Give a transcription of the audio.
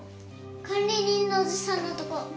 管理人のおじさんのとこ。